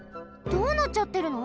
どうなっちゃってるの？